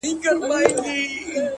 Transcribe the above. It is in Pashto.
• چي تا ویني همېشه به کښته ګوري,